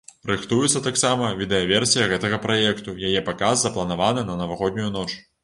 Рыхтуецца таксама відэаверсія гэтага праекту, яе паказ запланаваны на навагоднюю ноч.